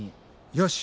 よし！